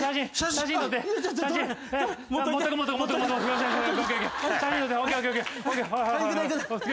写真撮って。